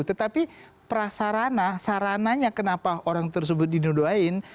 tetapi prasarana sarananya kenapa orang tersebut dinodoain